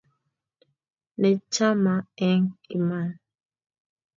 Ne chama eng' iman.